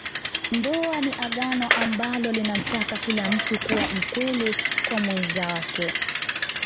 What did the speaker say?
Ndoa ni Agano ambalo linamtaka kila mtu kuwa mkweli kwa mwenza wake